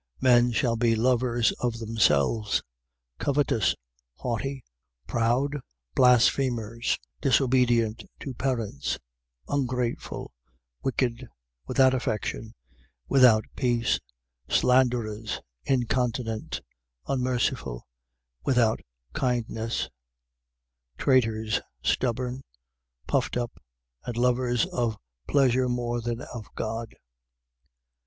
3:2. Men shall be lovers of themselves, covetous, haughty, proud, blasphemers, disobedient to parents, ungrateful, wicked, 3:3. Without affection, without peace, slanderers, incontinent, unmerciful, without kindness, 3:4. Traitors, stubborn, puffed up, and lovers of pleasure more than of God: 3:5.